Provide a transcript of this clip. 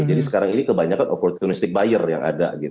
nah kebetulan banyak opportunistic buyer yang ada